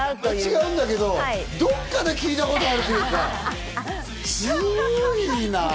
違うんだけど、どっかで聴いたことあるっていうか、ずるいな。